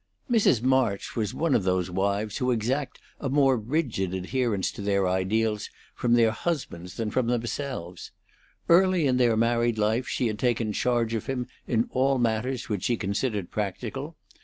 XI. Mrs. March was one of those wives who exact a more rigid adherence to their ideals from their husbands than from themselves. Early in their married life she had taken charge of him in all matters which she considered practical.